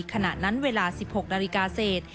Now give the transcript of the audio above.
ขณะนั้นเวลา๑๖นาฬิกาเศษ